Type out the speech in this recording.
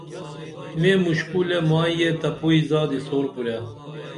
مے مُشکُلے مائی یہ تپوئی زادی سور کُرے